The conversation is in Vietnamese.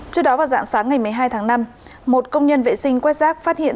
trước đó vào dạng sáng ngày một mươi hai tháng năm một công nhân vệ sinh quét rác phát hiện